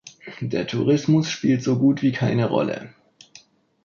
Der Tourismus spielt so gut wie keine Rolle.